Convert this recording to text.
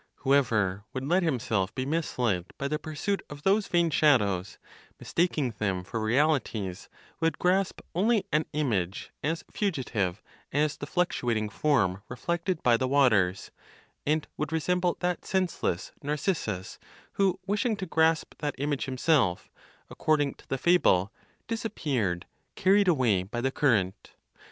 Whoever would let himself be misled by the pursuit of those vain shadows, mistaking them for realities, would grasp only an image as fugitive as the fluctuating form reflected by the waters, and would resemble that senseless (Narcissus) who, wishing to grasp that image himself, according to the fable, disappeared, carried away by the current.